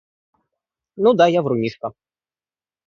Ну да, я врунишка.